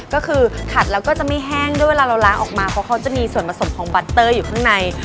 ก็คือขัดแล้วก็จะไม่แห้งด้วยเวลาเราล้างออกมาเพราะเขาจะมีส่วนผสมของบัตเตอร์อยู่ข้างใน